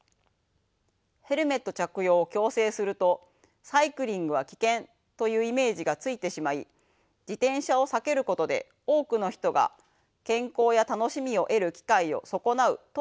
ヘルメット着用を強制するとサイクリングは危険というイメージがついてしまい自転車を避けることで多くの人が健康や楽しみを得る機会を損なうとの主張でした。